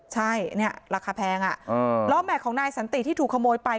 ใช่เนี่ยราคาแพงอ่ะล้อแม็กของนายสันติที่ถูกขโมยไป